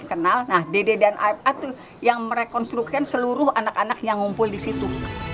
kenal nah dede dan a itu yang merekonstruksikan seluruh anak anak yang ngumpul di situ